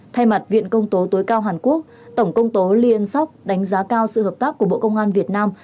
thay mặt viện công tố tối cao hàn quốc tổng công tố lyon đánh giá cao sự hợp tác của bộ công an việt nam